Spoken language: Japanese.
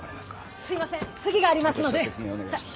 すいません次がありますので。